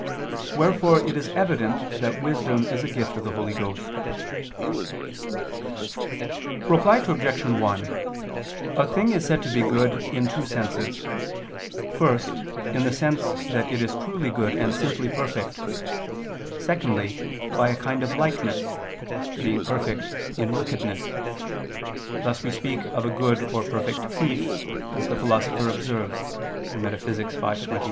Wherefore it is evident that wisdom is a gift of the Holy Ghost. Reply Obj. 1: A thing is said to be good in two senses: first in the sense that it is truly good and simply perfect, secondly, by a kind of likeness, being perfect in wickedness; thus we speak of a good or a perfect thief, as the Philosopher observes (Metaph. v, text.